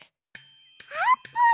あーぷん！